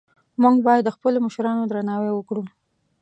موږ باید د خپلو مشرانو درناوی وکړو